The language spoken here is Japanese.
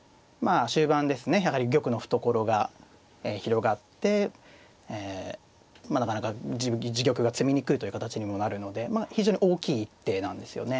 あ終盤ですねやはり玉の懐が広がってまあなかなか自玉が詰みにくいという形にもなるので非常に大きい一手なんですよね。